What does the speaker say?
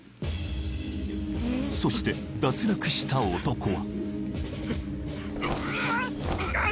そして脱落した男はおらっ！